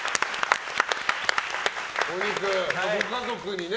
お肉、ご家族にね。